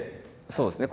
そうですね